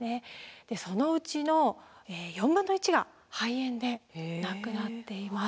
でそのうちの４分の１が肺炎で亡くなっています。